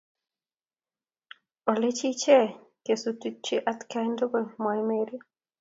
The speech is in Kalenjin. olei ichek kesutikcho atkai tugul, mwoei Mary